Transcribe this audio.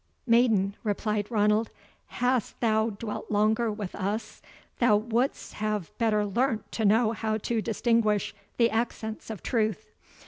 "Maiden," replied Ranald, "hadst thou dwelt longer with us, thou wouldst have better learnt to know how to distinguish the accents of truth.